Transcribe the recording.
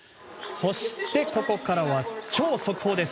そして、ここからは超速報です。